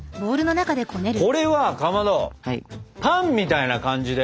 これはかまどパンみたいな感じで？